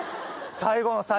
最後の最後で。